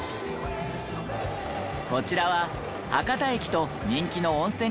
こちらは博多駅と人気の温泉